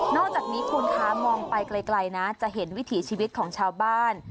อกจากนี้คุณคะมองไปไกลนะจะเห็นวิถีชีวิตของชาวบ้าน